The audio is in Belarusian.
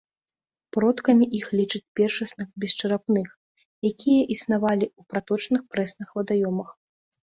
Продкамі іх лічаць першасных бесчарапных, якія існавалі ў праточных прэсных вадаёмах.